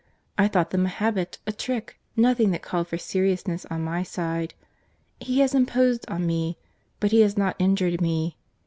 —I thought them a habit, a trick, nothing that called for seriousness on my side. He has imposed on me, but he has not injured me.